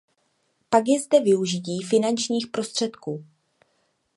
Pak je zde využití finančních prostředků.